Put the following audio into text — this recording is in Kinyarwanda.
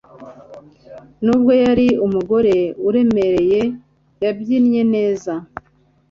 Nubwo yari umugore uremereye yabyinnye neza